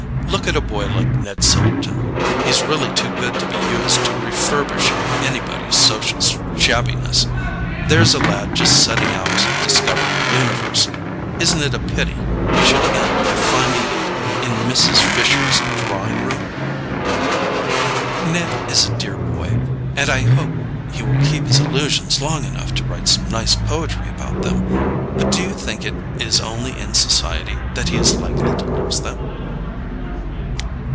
Look at a boy like Ned Silverton—he's really too good to be used to refurbish anybody's social shabbiness. There's a lad just setting out to discover the universe: isn't it a pity he should end by finding it in Mrs. Fisher's drawing room?" "Ned is a dear boy, and I hope he will keep his illusions long enough to write some nice poetry about them; but do you think it is only in society that he is likely to lose them?"